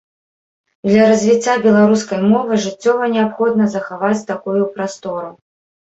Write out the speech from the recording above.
Для развіцця беларускай мовы жыццёва неабходна захаваць такую прастору.